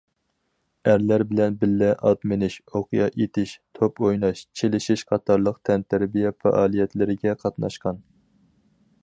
ئەرلەر بىلەن بىللە ئات مىنىش، ئوقيا ئېتىش، توپ ئويناش، چېلىشىش قاتارلىق تەنتەربىيە پائالىيەتلىرىگە قاتناشقان.